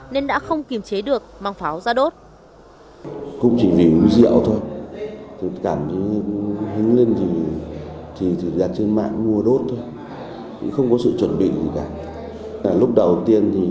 nên đã không kiềm chế được mang pháo ra đốt